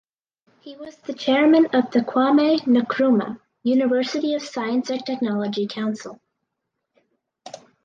He was the Chairman of the Kwame Nkrumah University of Science and Technology Council.